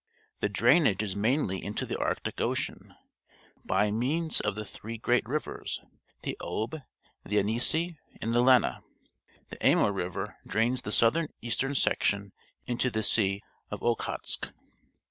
The drainage is mainly into the Arctic Ocean, by means of the three great rivers, the Ob, the Yenisei, and the Lena. The Ajnur River drains the south eastern section into the Sea of Okhotsk.